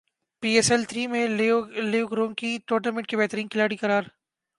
پی S L three میں Luke Ronchi tournament کے بہترین کھلاڑی قرار